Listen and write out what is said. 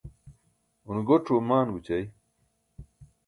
une goc̣ue maan goćai